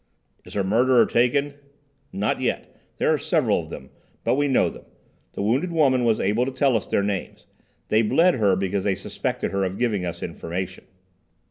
"Is her murderer taken?" "Not yet there are several of them but we know them. The wounded woman was able to tell us their names. They 'bled' her because they suspected her of giving us information."